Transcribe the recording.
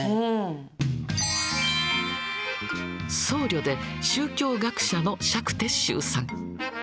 僧侶で宗教学者の釈徹宗さん。